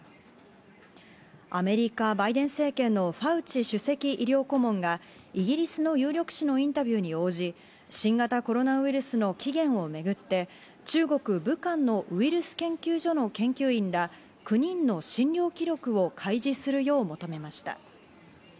アメリカ・バイデン政権のファウチ首席医療顧問がイギリスの有力紙のインタビューに応じ、新型コロナウイルスの起源をめぐって、中国・武漢のウイルス研究所の研究員ら９人の診療記録を開示するよう求めました。